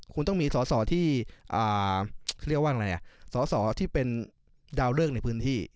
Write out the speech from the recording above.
คุณต้องมีสอสอที่เขาเรียกว่าอะไรอ่ะสอสอที่เป็นดาวเลิกในพื้นที่